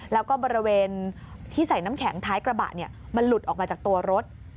แล้วก็บริเวณที่ใส่น้ำแข็งท้ายกระบะมันหลุดออกมาจากตัวรถ